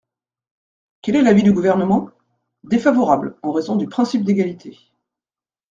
Quel est l’avis du Gouvernement ? Défavorable, en raison du principe d’égalité.